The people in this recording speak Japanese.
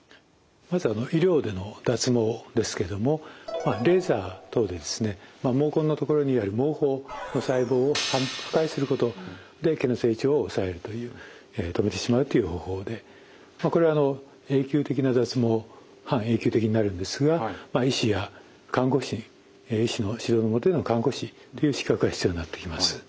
まず医療での脱毛ですけれどもレーザー等で毛根の所にある毛包の細胞を破壊することで毛の成長を抑えるという止めてしまうという方法でこれは永久的な脱毛半永久的になるんですが医師や看護師医師の指導のもとでの看護師という資格が必要になってきます。